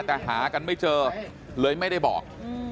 แต่หากันไม่เจอเลยไม่ได้บอก